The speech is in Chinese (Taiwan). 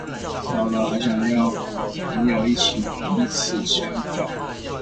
老了還想要有朋友一起彼此相伴